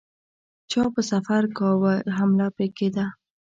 چا به سفر کاوه حمله پرې کېده.